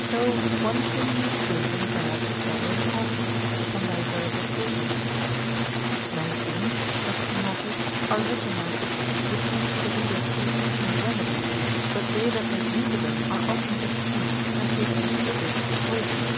So one thing may be good and bad to several parties, upon diverse occasions. Many things (saith Penottus) are written in our books, which seem to the reader to be excellent remedies, but they that make use of them are often deceived, and take for physic poison.